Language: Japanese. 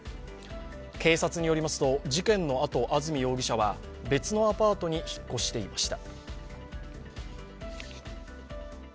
警察によりますと事件のあと安住容疑者は別のアパートに引っ越していました。